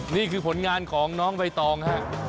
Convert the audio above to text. นี่คือผลงานของน้องใบตองฮะ